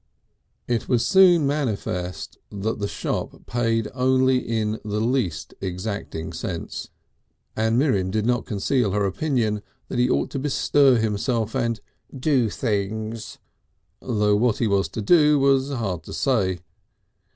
It was soon manifest the shop paid only in the least exacting sense, and Miriam did not conceal her opinion that he ought to bestir himself and "do things," though what he was to do was hard to say.